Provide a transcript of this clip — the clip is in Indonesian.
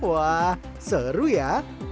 wah seru ya